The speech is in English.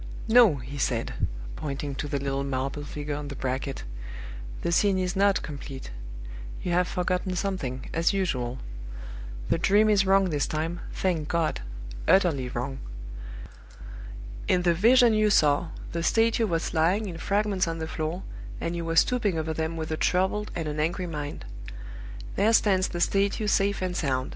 "No!" he said, pointing to the little marble figure on the bracket, "the scene is not complete you have forgotten something, as usual. The Dream is wrong this time, thank God utterly wrong! In the vision you saw, the statue was lying in fragments on the floor, and you were stooping over them with a troubled and an angry mind. There stands the statue safe and sound!